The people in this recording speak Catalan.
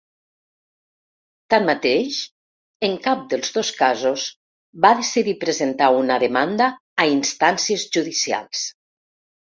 Tanmateix, en cap dels dos casos, va decidir presentar una demanda a instàncies judicials.